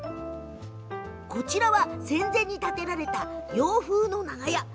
こちらは戦前に建てられた洋風な長屋。